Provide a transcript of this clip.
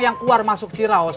ya udah aku mau pulang